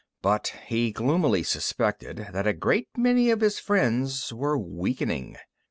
But he gloomily suspected that a great many of his friends were weakening.